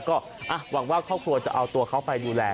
ก็หวังว่าครอบครัวจะเอาตัวเขาไปดูแล